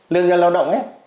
lương cho lao động ấy